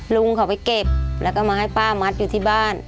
ลุงเขาไปเก็บแล้วก็มาให้ป้ามัดอยู่ที่บ้าน